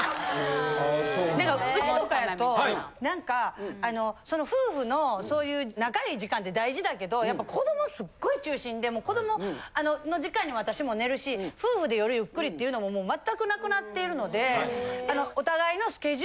うちとかやと何か夫婦のそういう仲いい時間って大事だけどやっぱ子どもすっごい中心で子どもの時間に私も寝るし夫婦で夜ゆっくりっていうのももう全くなくなっているので。